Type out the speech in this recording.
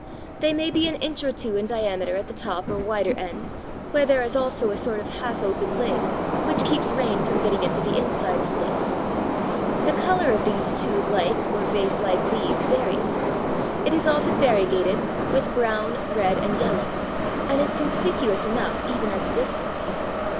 They may be an inch or two in diameter at the top or wider end, where there is also a sort of half open lid which keeps rain from getting into the inside of the leaf. The colour of these tube like or vase like leaves varies. It is often variegated with brown, red, and yellow, and is conspicuous enough even at a distance.